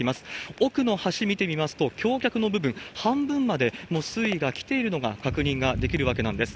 奥の橋、見てみますと、橋脚の部分、半分までもう水位が来ているのが確認ができるわけなんです。